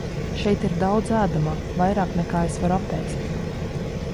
Šeit ir daudz ēdamā, vairāk nekā es varu apēst.